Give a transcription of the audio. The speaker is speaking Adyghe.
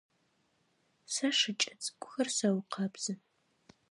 Сэ шыкӏэ цӏыкӏур сэукъэбзы.